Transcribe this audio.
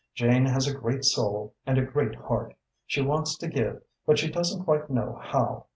Jane has a great soul and a great heart. She wants to give but she doesn't quite know how.